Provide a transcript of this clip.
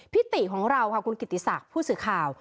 ติของเราค่ะคุณกิติศักดิ์ผู้สื่อข่าว